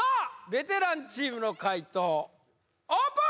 ベテランチームの解答オープン！